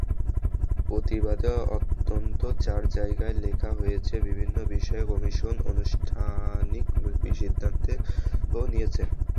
প্রতিবাদে অন্তত চার জায়গায় লেখা হয়েছে, বিভিন্ন বিষয়ে কমিশন অনানুষ্ঠানিক সিদ্ধান্ত নিয়েছে।